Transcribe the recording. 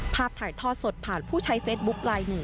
ถ่ายทอดสดผ่านผู้ใช้เฟซบุ๊คไลน์หนึ่ง